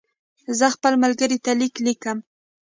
زه خپل ملګري ته لیک لیکم.